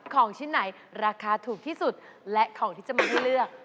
ของชิ้นไหนราคาถูกที่สุดและของที่จะมาให้เลือก